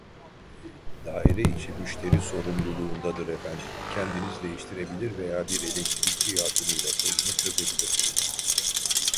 Daire içi müşteri sorumluluğundadır efendim kendiniz değiştirebilir veya bir elektrikçi yardımıyla sorunu çözebilirsiniz.